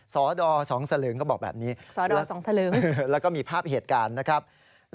สอดอสองเสลิงก็บอกแบบนี้แล้วก็มีภาพเหตุการณ์นะครับสอดอสองเสลิง